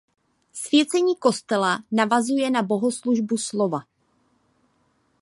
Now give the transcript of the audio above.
Svěcení kostela navazuje na bohoslužbu slova.